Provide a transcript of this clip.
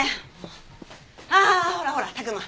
ああほらほら拓真。